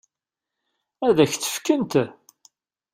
Ad k-tt-fkent?